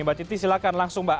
mbak titi silakan langsung mbak